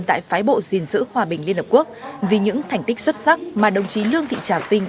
tại phái bộ dình giữ hòa bình liên hợp quốc vì những thành tích xuất sắc mà đồng chí lương thị trào vinh